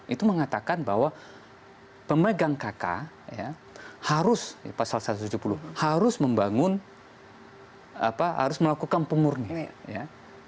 itu mengatakan bahwa pemegang kk harus di pasal satu ratus tujuh puluh harus membangun apa harus melakukan pemurnian ya